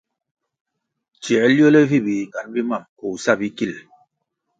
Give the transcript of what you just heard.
Tsiē liole vi biyingan bi mam koh sa bikil.